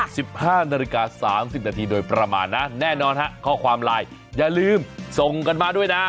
สิบห้านาฬิกาสามสิบนาทีโดยประมาณนะแน่นอนฮะข้อความไลน์อย่าลืมส่งกันมาด้วยนะ